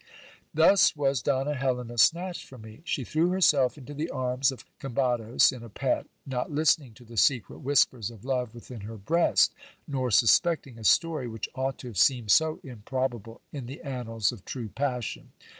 Thus was Donna Helena snatched from me. She threw herself into the arms o ' Combados in a pet, not listening to the secret whispers of love within her b east, nor suspecting a story which ought to have seemed so improbable in the annals of true passion.